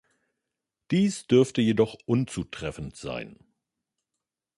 Dies dürfte jedoch unzutreffend sein.